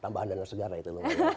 tambahan dana segar itu